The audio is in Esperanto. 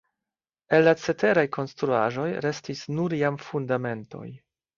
El la ceteraj konstruaĵoj restis nur jam fundamentoj.